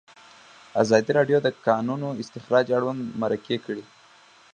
ازادي راډیو د د کانونو استخراج اړوند مرکې کړي.